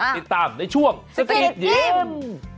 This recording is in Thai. ติดตามในช่วงสกิดยิ้ม